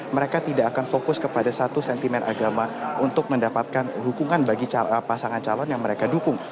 mereka tidak akan fokus kepada satu sentimen agama untuk mendapatkan dukungan bagi pasangan calon yang mereka dukung